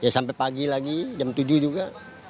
sampai pagi lagi jam tujuh juga